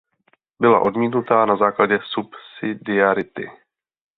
Byla odmítnuta na základě subsidiarity.